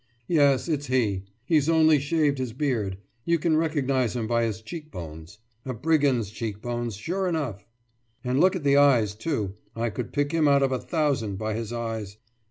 »Yes. It's he. He's only shaved his beard. You can recognise him by his cheekbones.« »A brigand's cheekbones, sure enough.« »And look at the eyes, too. I could pick him out of a thousand by his eyes.